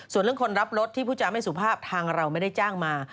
ส่วนเรื่องคนรับรถที่ผู้จาไม่สุภาพทางเราไม่ได้จ้างมา